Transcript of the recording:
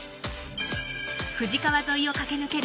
富士川沿いを駆け抜ける